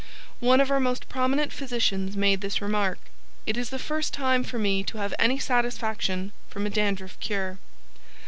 One of our most prominent physicians made this remark: "IT IS THE FIRST TIME FOR ME TO HAVE ANY SATISFACTION FROM A DANDRUFF CURE."